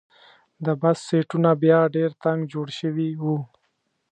د بس سیټونه بیا ډېر تنګ جوړ شوي وو.